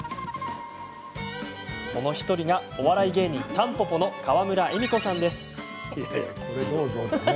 その１人がお笑い芸人のたんぽぽ、川村エミコさんです。